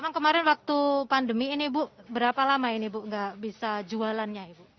emang kemarin waktu pandemi ini ibu berapa lama ini bu nggak bisa jualannya ibu